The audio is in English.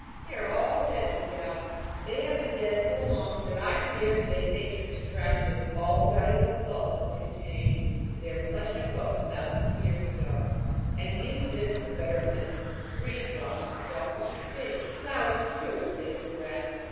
They are all dead, no doubt: they have been dead so long that I daresay nature extracted all the valuable salts that were contained in their flesh and bones thousands of years ago, and used it for better things raindrops, froth of the sea, flowers and fruit, and blades of grass.